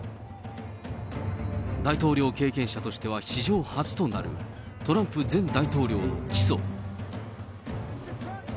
大統領経験者としては史上初となる、トランプ前大統領の起訴。